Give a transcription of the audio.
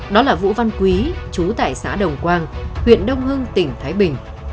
đó là vũ văn quý chú tại xã đồng quang huyện đông hưng tỉnh thái bình